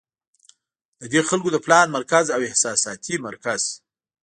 د دې خلکو د پلان مرکز او احساساتي مرکز